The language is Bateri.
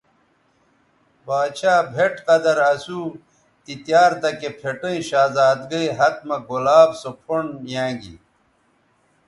باڇھا بھئٹ قدر اسو تی تیار تکے پھٹیئں شہزادگئ ھت مہ گلاب سو پھنڈ یانگی